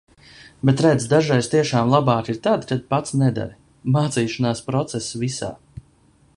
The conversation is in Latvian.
Bet redz, dažreiz tiešām labāk ir tad, kad pats nedari. Mācīšanās process visā.